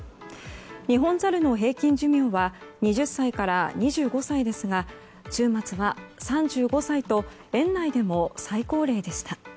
ニホンザルの平均寿命は２０歳から２５歳ですが中松は３５歳と園内でも最高齢でした。